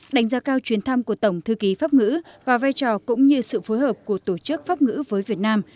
đánh giá cao chuyến thăm của tổng thư ký pháp ngữ và vai trò cũng như sự phối hợp của tổ chức pháp ngữ với việt nam